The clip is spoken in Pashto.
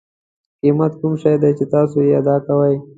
قیمت کوم شی دی چې تاسو یې ادا کوئ.